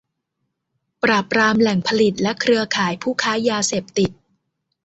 ปราบปรามแหล่งผลิตและเครือข่ายผู้ค้ายาเสพติด